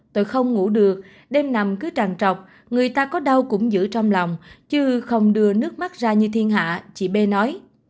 tôi không ngủ được đêm nằm cứ tràn trọc người ta có đau cũng giữ trong lòng chứ không đưa nước mắt ra như thiên hạ chị b nói